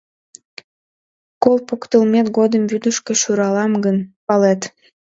Кол поктылмет годым вӱдышкӧ шӱралам гын, палет.